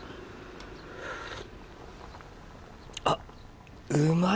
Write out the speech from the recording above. あっうまい！